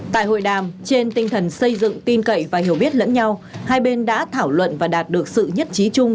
tại hội đàm trên tinh thần xây dựng tin cậy và hiểu biết lẫn nhau hai bên đã thảo luận và đạt được sự nhất trí chung